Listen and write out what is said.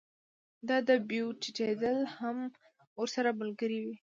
د بیو ټیټېدل هم ورسره ملګري وي